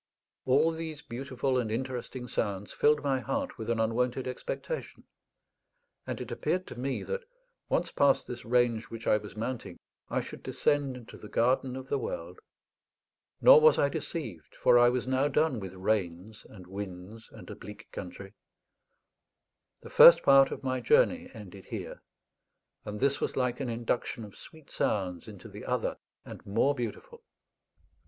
All these beautiful and interesting sounds filled my heart with an unwonted expectation; and it appeared to me that, once past this range which I was mounting, I should descend into the garden of the world. Nor was I deceived, for I was now done with rains and winds and a bleak country. The first part of my journey ended here; and this was like an induction of sweet sounds into the other and more beautiful.